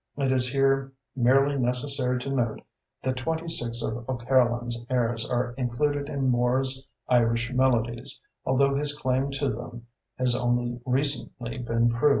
It is here merely necessary to note that twenty six of O'Carolan's airs are included in Moore's Irish Melodies, although his claim to them has only recently been proved by the present writer.